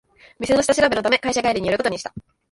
店の下調べのため会社帰りに寄ることにした